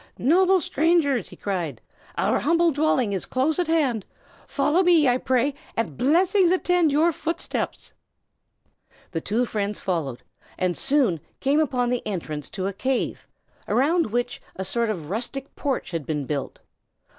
"Noble strangers!" he cried, "our humble dwelling is close at hand. Follow me, I pray you, and blessings attend your footsteps." The two friends followed, and soon came upon the entrance to a cave, around which a sort of rustic porch had been built.